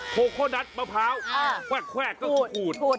โพโคโนตมะพราวแวะก็งูด